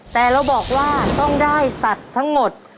แต่เราบอกว่าต้องได้สัตว์ทั้งหมด